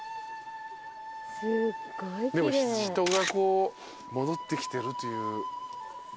でも人が戻ってきてるという。